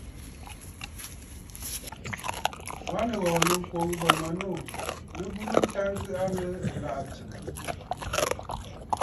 Wa nìghɔ̀ɔ̀ nɨ ŋkwǒŋ bə̀ manû nɨ burə nta ŋgɨʼɨ aa nɨ̂ ɨlaʼà tsɨ̀mə̀.